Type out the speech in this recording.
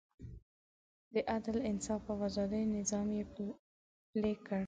د عدل، انصاف او ازادۍ نظام یې پلی کړ.